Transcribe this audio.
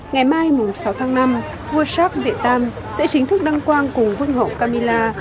ngày mai sáu tháng năm world shark viet tam sẽ chính thức đăng quang cùng quân hộ camilla